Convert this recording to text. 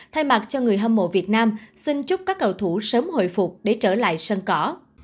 thay mặt cho người hâm mộ việt nam xin chúc các cầu thủ sớm hồi phục để trở lại sân cỏ